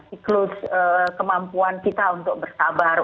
siklus kemampuan kita untuk bersabar